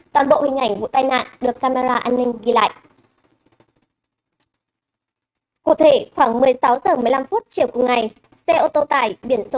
toàn bộ hình ảnh vụ tai nạn được camera an ninh ghi lại